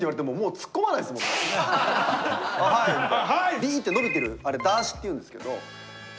ビーって伸びてる、あれダーシっていうんですけど。